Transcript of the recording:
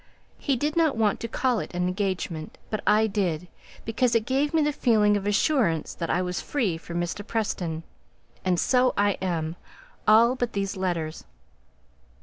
He did not want to call it an engagement, but I did; because it gave me the feeling of assurance that I was free from Mr. Preston. And so I am! all but these letters.